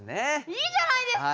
いいじゃないですか！